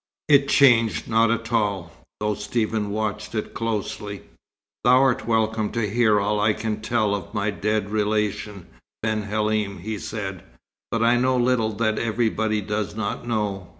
It changed not at all, though Stephen watched it closely. "Thou art welcome to hear all I can tell of my dead relation, Ben Halim," he said. "But I know little that everybody does not know."